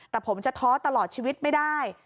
แต่ผมจะท้อตลอดชีวิตไม่ได้